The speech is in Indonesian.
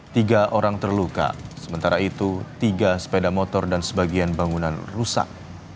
tiga orang terluka sementara itu tiga sepeda motor dan sebagian bangunan rusak